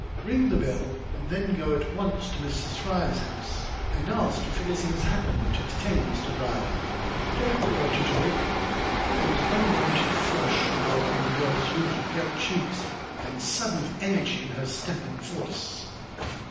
"Ring the bell, and then go at once to Mrs. Fry's house, and ask if anything has happened to detain Mr. Brierly. Don't loiter, Johnny." There was an unwonted flush now upon the girl's usually pale cheeks, and sudden energy in her step and voice.